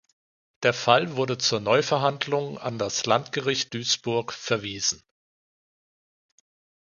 Der Fall wurde zur Neuverhandlung an das Landgericht Duisburg verwiesen.